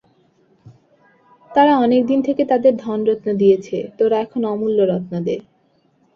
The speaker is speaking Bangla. তারা অনেকদিন থেকে তাদের ধন-রত্ন দিয়েছে, তোরা এখন অমূল্য রত্ন দে।